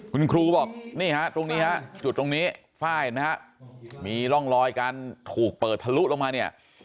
คุณครูบอกนี่ฮะตรงนี้ฮะจุดตรงนี้ฝ้ายเห็นไหมฮะมีร่องรอยการถูกเปิดทะลุลงมาเนี่ย